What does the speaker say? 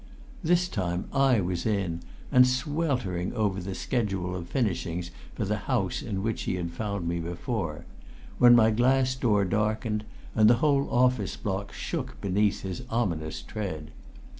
This time I was in, and sweltering over the schedule of finishings for the house in which he had found me before, when my glass door darkened and the whole office shook beneath his ominous tread.